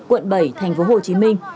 quận bảy tp hcm